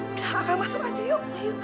udah akang masuk aja yuk